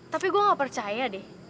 tapi gue gak percaya deh